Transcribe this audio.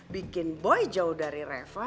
bikin boy jauh dari reva